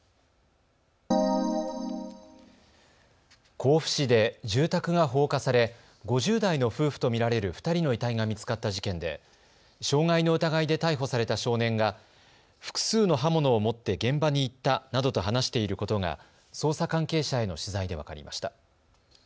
甲府市で住宅が放火され５０代の夫婦と見られる２人の遺体が見つかった事件で傷害の疑いで逮捕された少年が複数の刃物を持って現場に行ったなどと話していることが捜査関係者への取材で分かりました。